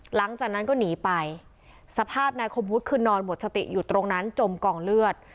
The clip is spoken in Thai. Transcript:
หลังจากนั้นก็หนีไปสภาพนายคมวุฒิคือนอนหมดสติอยู่ตรงนั้นจมกองเลือด